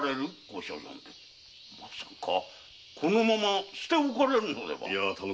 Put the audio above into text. まさかこのまま捨ておかれるのでは。